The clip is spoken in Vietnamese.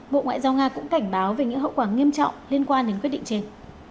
bộ ngoại giao nga cũng cảnh báo về những hậu quả nghiêm trọng liên quan đến quyết định trên